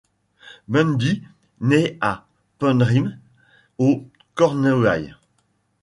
Mundy naît à Penryn, aux Cornouailles.